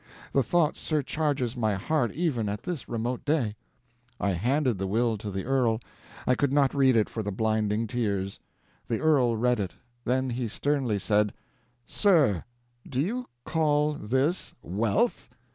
The thought surcharges my heart even at this remote day. I handed the will to the earl; I could not read it for the blinding tears. The earl read it; then he sternly said, "Sir, do you call this wealth?